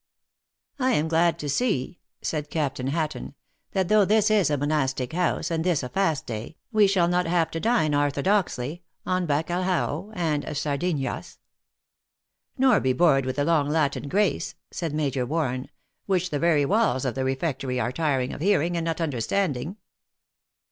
" I am glad to see," said Captain Hatton, " that though this is a monastic house, and this a fast day, we shall not have to dine orthodoxly, on bacal/iao and sardinhas" " Nor be bored with the long Latin grace," said Major Warren, " which the very walls of the refectory are tired of hearing and not understanding."